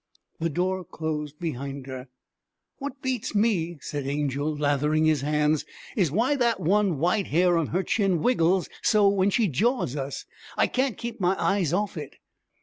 The door closed behind her. 'What beats me,' said Angel, lathering his hands, 'is why that one white hair on her chin wiggles so when she jaws us. I can't keep my eyes off it.'